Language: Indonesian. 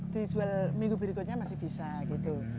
dijual minggu berikutnya masih bisa gitu